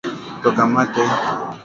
Kutoka mate kwa wingi